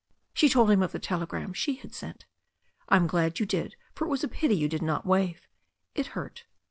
She told him of the telegram she had sent. "I'm glad you did, for it was a pity you did not wave. It hurt."